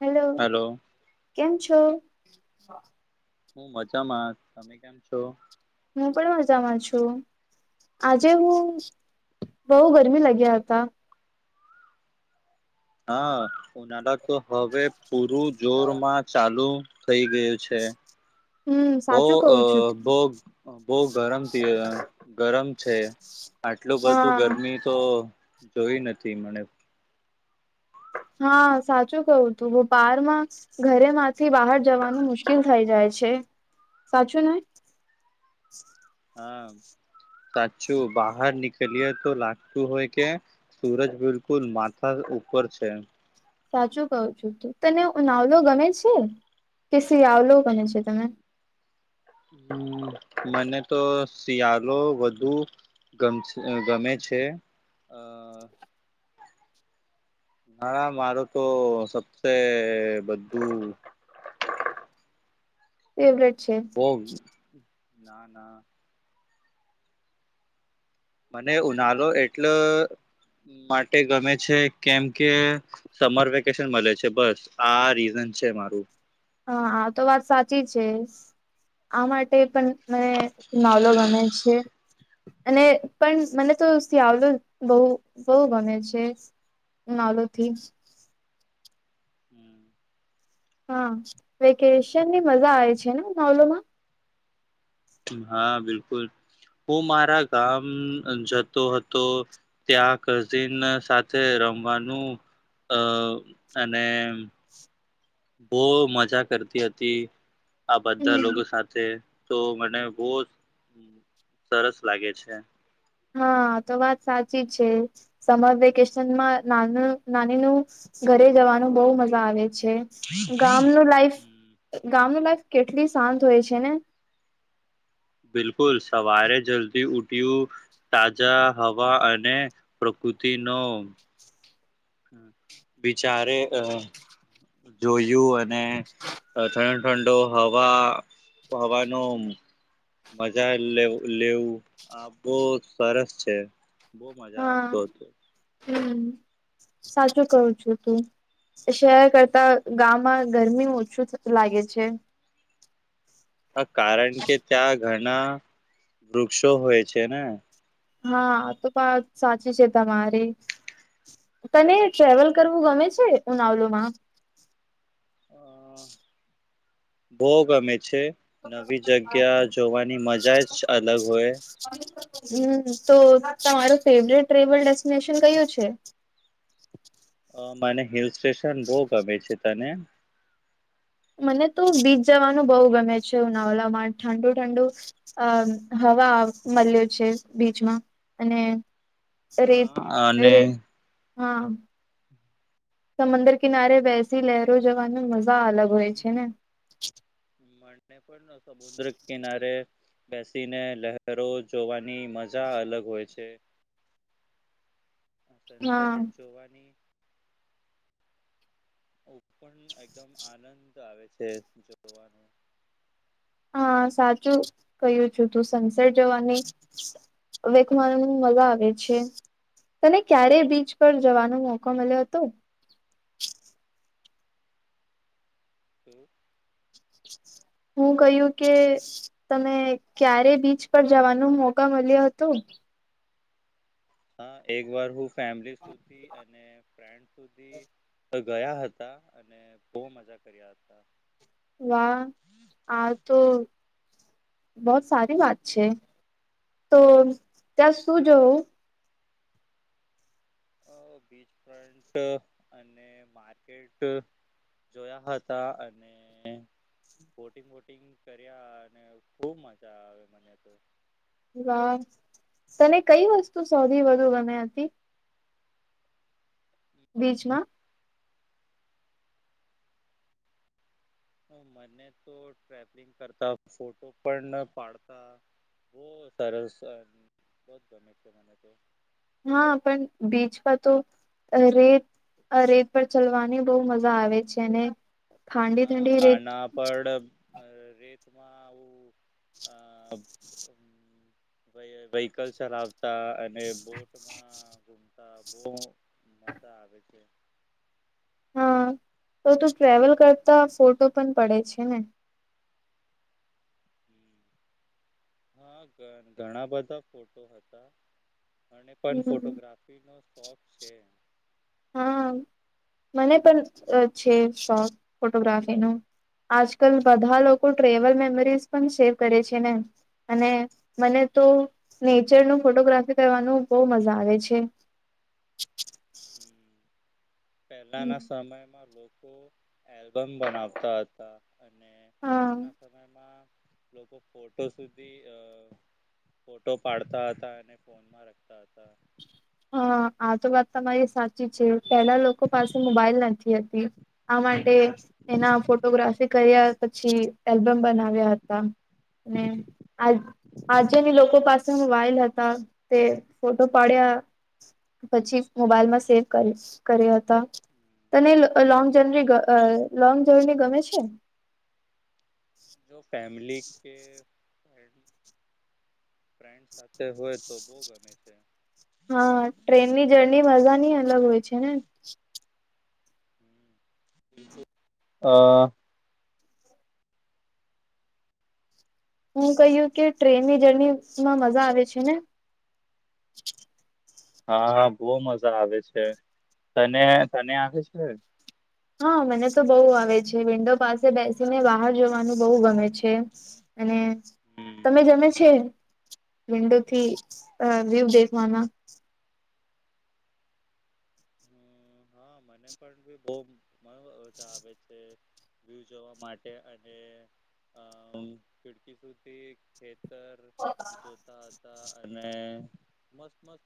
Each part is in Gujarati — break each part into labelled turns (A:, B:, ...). A: હેલો
B: હલો
A: કેમ છો
B: હું મજામાં તમે કેમ છો
A: હું પણ મજામાં છું. આજે હું બવ ગરમી લાગ્યા હતા.
B: હા ઉનાળા તો હવે પૂરું જોર માં ચાલુ થઈ ગયું છે.
A: હમ
B: બો
A: સાચું
B: અ
A: કવું છું
B: બો બો ગરમ થી ગરમ છે આટલું બધું
A: હા
B: ગરમી તો જોઈ નથી મને
A: હા સાચું કવું તું બારમાં ઘરેમાંથી બહાર જવાનું મુશ્કેલ થઈ જાય છે. છે સાચું ને.
B: હા. કાચું બહાર નીકળએ તો લાગતું હોય કે સુરજ બિલકુલ માથા ઉપર છે.
A: સાચું કહું છું તને ઉનાવલો ગમે છે કે શિયાવલો? ગમે છે તને.
B: હમ્મ મને તો શિયાલો વધુ ગમછ ગમે છે અ હા મારું તો સબસે બધું
A: [unintelligible]
B: બો ના ના મને ઉનાળો એટલો માટે ગમે છે કેમ કે સમર વેકેશન મળે છે બસ આ રીઝન છે મારું.
A: હા આ તો વાત સાચી છે આ માટે પણ મને ઉનાલો ગમે છે. અને પણ મને તો શિયાવલો બવ બવ ગમે છે. નાલોથીજ હા વેકેશનની મજા આવે છે ને ઉનાલોમાં
B: હા બિલકુલ. હું મારા ગામ જતો હતો ત્યાં કઝિન સાથે રમવાનું અ અને બો મજા કરતી હતી આ બધા લોકો
A: હમ
B: સાથે. તો મને બો સરસ લાગે છે.
A: હા તો વાત સાચી છે સમર વેકેશન માં નાનું નાની નું ઘરે જવાનું બહુ મજા આવે છે ગામનું લાઈફ
B: હમ
A: ગામનું લાઈફ કેટલી શાંત હોય છે ને.
B: બિલકુલ સવારે જલ્દી ઉઠયું તાજા હવા અને [unintelligible] બિચારે અ જોયું અને ઠંડો ઠંડો હવા હવાનું મજા લે લેવું આ બહ સરસ છે બહુ મજા
A: હા
B: આવતો હતો.
A: હમ સાચું કવ છું તું શહેર કરતા ગામમાં ગરમી ઓછું લાગે છે.
B: આ કારણ કે ત્યાં ઘણા વૃક્ષો હોય છે ને
A: હા તો પણ સાચી છે તમારી તને ટ્રવેલ કરવું ગમે છે, ઉનાવલોમા
B: અ
A: [unintelligible] [inaudible]
B: બહુ ગમે છે. નવી જગ્યા જોવાની મજા જ અલગ હોય.
A: હમ, તો તમારુ ફેવરેટ ટ્રેવલ ડેસ્ટિનેશન કયું છે.
B: અ મને હિલ સ્ટેશન બહુ ગમે છે, તને
A: મને તો બીચ જવાનું બહુ ગમે છે. ઉનાવલામા ઠંડુ -ઠંડુ અ હવા મળ્યો છે, બીચમાં અને
B: હ
A: રેત
B: અને
A: અરે હા સમદર કિનારે બેસી લહેરો જોવાની મજા અલગ હોય છે ને
B: મને પણ સમુદ્ર કિનારે બેસીને લહેરો જોવાની મજા અલગ હોય છે.
A: [unintelligible] [inaudible] હા
B: સનસેટ જોવાની ઓ પણ એકદમ આનંદ આવે છે જોવાનું
A: હા સાચું કહ્યું સનસેટ જવાની વેખવા મજા આવે છે. તને ક્યારે બીચ પર જવાનો મોકો મળ્યો હતો.
B: હ
A: હું કહ્યું કે તમે ક્યારે બીચ પર જવાનો મોકા મળ્યો હતો.
B: હા, એક વાર હું ફેમિલી સુધી અને ફ્રેન્ડ સુધી ગયા હતા, અને બહુ મજા કર્યા હતા
A: વાહ, આ તો બહત સારી વાત છે, તો ત્યાં સુું જોવુ
B: બીચ ફ્રન્ટ અને માર્કેટ જોયા હતા, અને બોટિંગ, બોટિંગ કર્યા અને ખુબ મજા આવે મને તો
A: વાહ તને કઈ વસ્તુ સૌથી, વધુ ગમી હતી. બીચમા
B: મને તો ટ્રાવલિંગ કરતા ફોટો પણ પાડતા બહુ સરસ બહુ ગમે છે. મને તો
A: હા, પણ બીચમાં તો રેત આ રેત પર ચલવાની બહુ મજા આવે છે, અને ઠડી ઠડી રેત
B: અ રેતમાં આવુ અ વ્હિકલ ચલાવતા અને બોટમા બહૂ મજા આવે છે.
A: હા, તો તું ટ્રવેલ કરતા ફોટો પણ પડે છેને
B: હ હા, ઘણા બધા ફોટો હતા. મને પણ
A: હમ
B: ફોટોગ્રાફીનો શોખ છે.
A: હા, મને પણ છે. શોખ ફોટોગ્રાફીનો- આજકાલ બધા લોકો ટ્રેવલ મેમરીઝ પણ સેવ કરે છેને, અને મને તો નેચર ન ફોટોગ્રાફી, કરવાનું બહુ મજા આવે છે. [unintelligible] [inaudible]
B: પહેલાના, સમયમાં લોકો આલ્બમ બનાવતા હતા. અને
A: હા
B: આજના, સમયમાં લોકો ફોટો સુધી અ ફોટો પાડતા હતા, અને ફોનમાં રખતા હતા.
A: હા, આ તો વાત તમારી સાચી છે, પેલા લોકો પાસે મોબાઈલ નથી હતી. આ માટે એના ફોટોગ્રાફી કર્યા પછી એલ્બમ બનાવ્યા હતા, આ આજેની લોકો પાસે મોબાઈલ હતા તે ફોટો પાડ્યા. પછી મોબાઈલ માં સેવ કર્યા હતા. તને લોંગ જર્ની લોંગ જર્ની ગમે છે.
B: જો ફેમલી કે ફ્રેન્ડ સાથે હોય તો બહુ ગમે છે.
A: હા ટ્રેનની જર્ની મજાની અલગ હોય છે ને
B: હ [inaudible]
A: હું કહ્યું કે ટ્રેનની જર્નીમાં મજા આવે છે ને
B: હા હ બહુ મજા આવે છે તને તને આવે છે.
A: હા મને તો બહુ આવે છે વિન્ડો પાસે બેસીને બહાર જવાનું બહુ ગમે છે. અને
B: હમ
A: તમે જમે છે. વિન્ડો થી વ્યુ દેખવાના
B: હમ હા મને પણ બી બહુ મજા આવે છે. વ્યુ, જોવા માટે અને અ ખીડકી સુધી જોતા હતા અને મસ્ત મત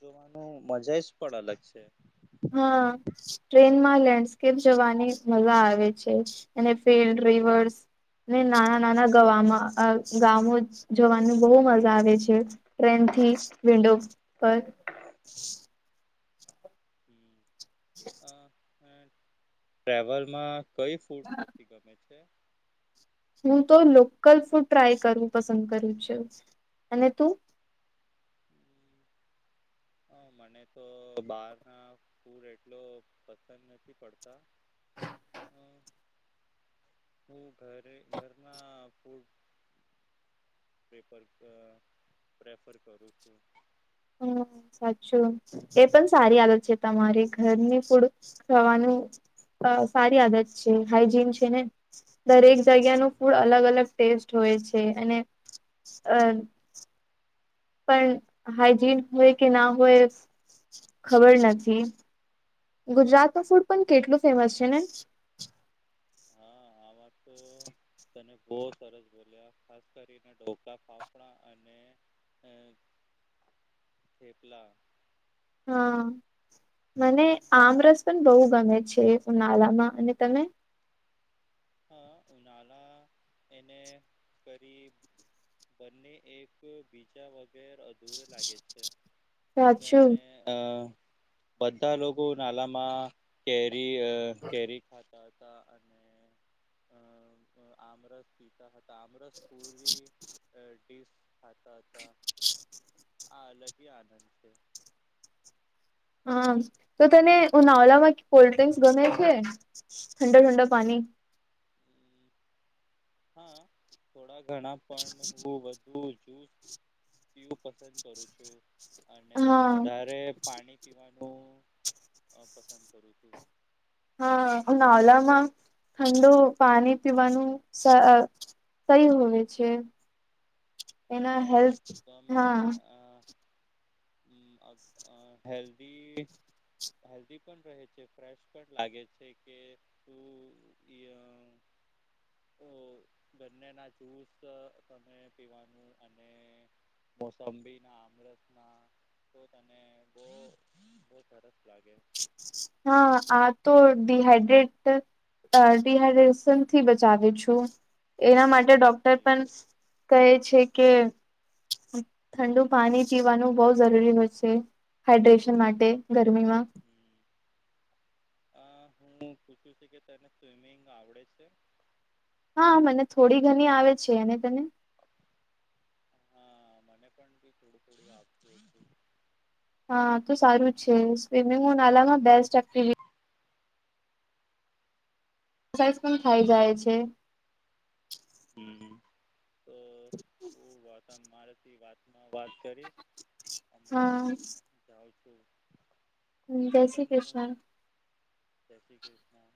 B: જોવાનુ, મજા જ પણ અલગ છે.
A: હા, ટ્રેનમાં લેન્ડસ્કેપ જવાની મજા આવે છે, અને ફિલ્ડ રિવર્સ ને નાના નાના ગામો જવાનું બહુ મજા આવે છે, ટ્રેન થી વિન્ડો પર
B: ટ્રેવલમા કઈ ફૂડોથી ગમે છે,
A: હુ, તો લોકલ ફૂડ ટ્રાય કરવું પસંદ કર્યું છે. અને તું [unintelligible]
B: અ
A: [inaudible]
B: મને તો બહાર ના ફૂડ એટલો પસંદ નથી પડતા અ
A: [unintelligible] [inaudible]
B: હું ઘરે ઘરના ફૂડ પ્રર પ્રેફર કરું છું.
A: હું. સાચું એ પણ સારી આદત છે, તમારે ઘરની ફૂડ ખાવાનું અ સારી આદત છે હાઈજીન છે ને દરેક જગ્યા ન
B: અ
A: ફૂડ અલગ અલગ ટેસ્ટ હોય છે અને અ પણ હાઈજીન હોય કે ના હોય ખબર નથી. ગુજરાત ન ફૂડ પણ કેટલું ફેમસ છે ને
B: હા
A: [unintelligible]
B: આ વાત
A: [inaudible]
B: તો તને બહુ સરસ બોલ્યા ખાસ કરીને કોકા ફાફડા અને અ
A: [unintelligible] [inaudible]
B: થેપલા
A: હા મને આમરસ પણ બહુ ગમે છે ઉનાળામાં અને તમે
B: હા ઉનાળા એને કેરી બંને એકબીજા વગેર અધૂરે લાગે છે.
A: સાચું
B: અ બધા લોકો નાલા માં કે દી અ કેરી અ
A: [inaudible]
B: આમરસ પીતા હતા આમરસ પૂરી ડીસ ખાતા હતા આ અલગી આનંદ છે
A: હા તો તને ઉનાળામાં કોલ્ડ્રિંકસ ગમે છે ઠંડા ઠંડા પાણી [inaudible]
B: હા થોડા ઘણા પણ હું બહુ જ પસંદ કરું છું અને
A: હા
B: વધારે પાણી પીવાનું પસંદ કરું છું
A: હા ઉનાળામાં ઠંડુ પાણી પીવાનું સહી હોય છે. એના
B: અને
A: હેલ્થ
B: તો અમે
A: હા
B: આ હમમ અ, અ હેલ્દી હેલ્ધી પણ રહે છે ફ્રેશ પણ લાગે છે, કે તુ ઓ ગન્ને ના જુસ, તમે પીવાનુ મોસંબી ના અમરત ના તો તને બહુ બહુ સરસ લાગે
A: હા આ તો ડિહાઈડ્રેટ અ ડિહાઈડ્રેશન થી બચાવે છું એના માટે ડોક્ટર
B: જી
A: પણ કહે છે કે ઠંડુ પાણી પીવાનું બહુ જરૂરી હોય છે હાઈડ્રેશન માટે ગરમીમાં
B: અ હું પૂછું છું કે તને સ્વિમિંગ આવડે છે
A: હા મને થોડી ઘણી આવે છે, અને તને
B: હા, મને પણ બી થોડું થોડું આપતું હતુ
A: હા, તો સારુ છે. સ્વિમિંગ હુ ઉનાલામાં બેસ્ટ એક્ટિવિટી એક્સરસાઇઝ પણ થાય જાય છે.
B: હમ્મ રાથી વાતમાં વાત કરીશ હમણાં હુ જઉ
A: હા
B: હમ્મ
A: હમ, જય શ્રી કૃષ્ણ
B: જય શ્રી કૃષ્ણ